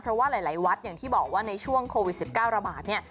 เพราะว่าหลายวัดอย่างที่บอกว่าในช่วงโควิด๑๙ระบาดเนี่ย